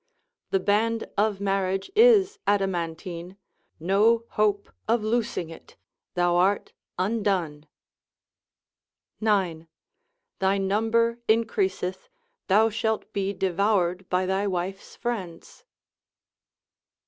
The band of marriage is adamantine, no hope of losing it, thou art undone.—9. Thy number increaseth, thou shalt be devoured by thy wife's friends.